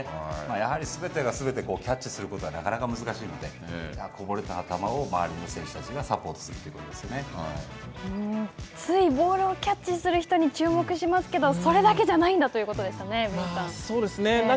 やはりすべてがすべてキャッチすることは、なかなか難しいので、こぼれた球をサポートするというついボールをキャッチする人に注目しますけど、それだけじゃないんだということでしたね、エブそうですね。